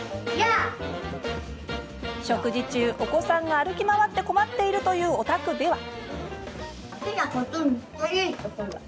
食事中、お子さんが歩き回って困っているというお宅では。